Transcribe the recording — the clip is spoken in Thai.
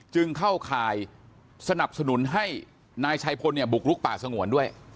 จึงเข้าข่ายสนับสนุนให้นายชัยพลบุกลุกป่าสงวนด้วย